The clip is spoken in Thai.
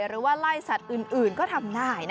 หรือว่าไล่สัตว์อื่นก็ทำได้